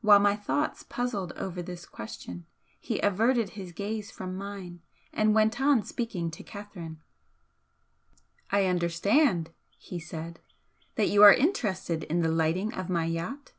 While my thoughts puzzled over this question he averted his gaze from mine and went on speaking to Catherine. "I understand," he said "that you are interested in the lighting of my yacht?"